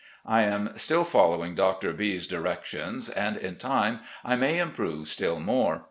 I am still following Doctor B 's directions, and in time I may improve still more.